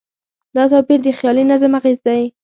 دا توپیر د خیالي نظم اغېز دی.